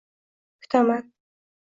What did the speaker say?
-Kutaman.